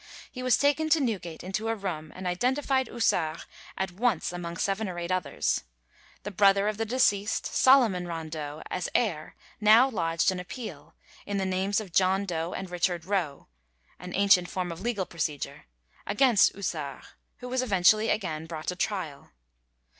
He was taken to Newgate into a room, and identified Houssart at once among seven or eight others. The brother of the deceased, Solomon Rondeau, as heir, now lodged an appeal, in the names of John Doe and Richard Roe (an ancient form of legal procedure), against Houssart, who was eventually again brought to trial.